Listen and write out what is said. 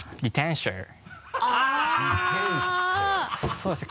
そうですね。